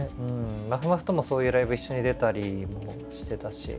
まふまふともそういうライブ一緒に出たりもしてたし。